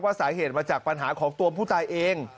สาเหตุมาจากปัญหาของตัวผู้ตายเอง